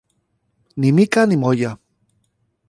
Ni mica ni molla.